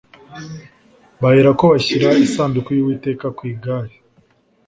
baherako bashyira isanduku y'uwiteka ku igare